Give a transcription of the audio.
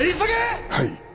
はい。